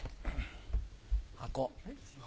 箱。